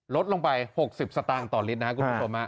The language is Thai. ลดลงไป๖๐สตางค์ต่อลิตรนะครับคุณผู้ชม